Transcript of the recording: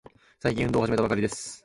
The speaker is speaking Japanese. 最近、運動を始めたばかりです。